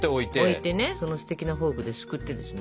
置いてねそのステキなフォークですくってですね。